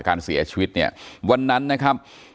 การเสียชีวิตเนี่ยวันนั้นนะครับ